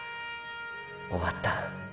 終わった。